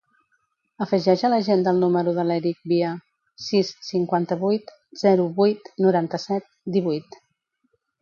Afegeix a l'agenda el número de l'Erik Via: sis, cinquanta-vuit, zero, vuit, noranta-set, divuit.